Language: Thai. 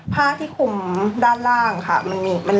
พ่อที่ขุมด้านล่างค่ะมันหลุดแล้ว